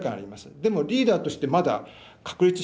でもリーダーとしてまだ確立していません。